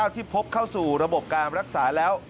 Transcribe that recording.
ที่พบเข้าสู่ระบบการรักษาแล้ว